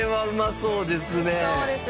そうですね